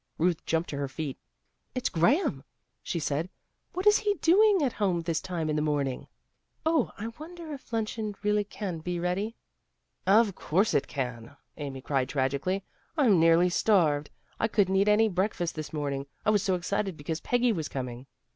Ruth jumped to her feet. " It's Graham," she said. " What is he doing home at this time in the morning? 0, 1 wonder if luncheon really can be ready? "" Of course it can," Amy cried tragically. " I'm nearly starved. I couldn't eat any breakfast this morning, I was so excited be cause Peggy was coming."